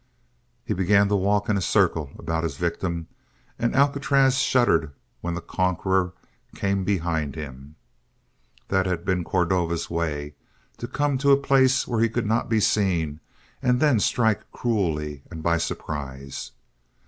He began to walk in a circle about his victim, and Alcatraz shuddered when the conqueror came behind him. That had been Cordova's way to come to a place where he could not be seen and then strike cruelly and by surprise.